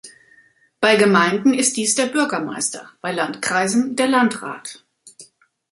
Bei Gemeinden ist dies der Bürgermeister, bei Landkreisen der Landrat.